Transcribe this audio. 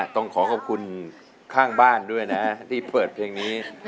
ต้องขอขอบคุณข้างบ้านด้วยนะที่เปิดเพลงนี้